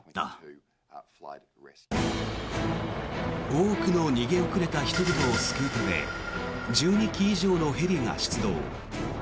多くの逃げ遅れた人々を救うため１２機以上のヘリが出動。